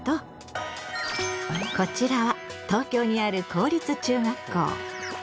こちらは東京にある公立中学校。